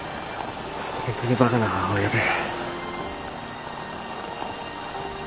ホントにバカな母親で。